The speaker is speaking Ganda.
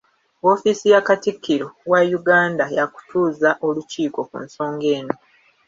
Woofiisi ya Katikkiro wa Uganda yaakutuuza olukiiko ku nsonga eno.